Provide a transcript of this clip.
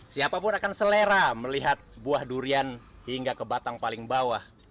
siapapun akan selera melihat buah durian hingga ke batang paling bawah